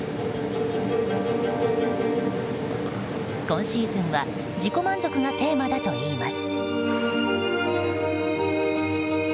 今シーズンは自己満足がテーマだといいます。